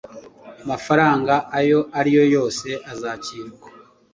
Amafaranga ayo ari yo yose azakirwa.